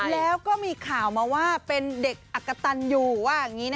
แล้วก็มีข่าวมาว่าเป็นเด็กอักกะตันอยู่ว่าอย่างนี้นะ